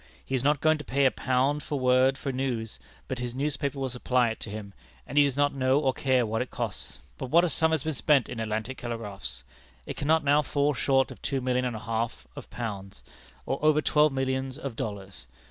He is not going to pay a pound a word for news, but his newspapers will supply it to him, and he does not know or care what it costs. But what a sum has been spent in Atlantic telegraphs! It cannot now fall short of two millions and a half of pounds, or over twelve millions of dollars.